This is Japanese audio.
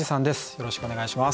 よろしくお願いします。